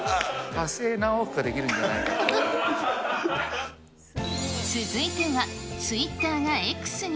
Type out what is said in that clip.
火星何往復かできるんじゃ続いては、ツイッターがＸに。